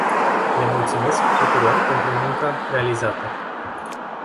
Le mulțumesc tuturor pentru munca realizată.